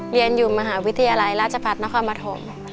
เรียนอยู่มหาวิทยาลัยราชพัฒนครปฐม